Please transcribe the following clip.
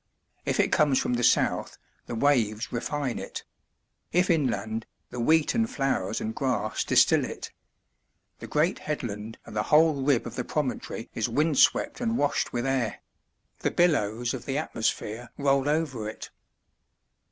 If it comes from the south, the waves refine it; if inland, the wheat and flowers and grass distil it. The great headland and the whole rib of the promontory is wind swept and washed with air; the billows of the atmosphere roll over it.